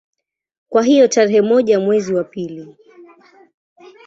Kwa hiyo tarehe moja mwezi wa pili